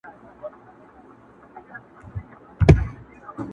بار به سپک سي او هوسا سفر به وکړې!!